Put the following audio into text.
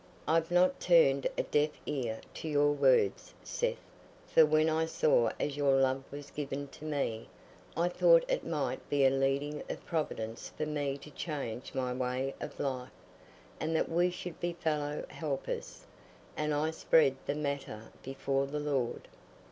I've not turned a deaf ear to your words, Seth, for when I saw as your love was given to me, I thought it might be a leading of Providence for me to change my way of life, and that we should be fellow helpers; and I spread the matter before the Lord.